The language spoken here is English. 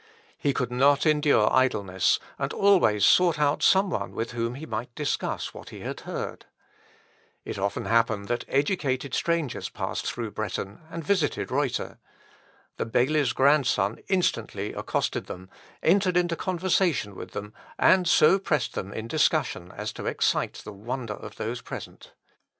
He could not endure idleness, and always sought out some one with whom he might discuss what he had heard. It often happened that educated strangers passed through Bretten, and visited Reuter. The bailie's grandson instantly accosted them, entered into conversation with them, and so pressed them in discussion as to excite the wonder of those present.